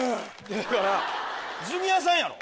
だからジュニアさんやろ？